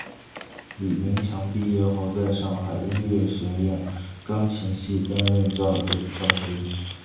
李名强毕业后在上海音乐学院钢琴系担任教师。